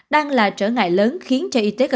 đang là trở ngại lớn khiến cho y tế cơ sở